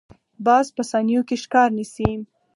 باز په ثانیو کې ښکار نیسي